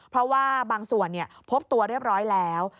เพราะว่าบางส่วนพบตัวเรียบร้อยแล้ว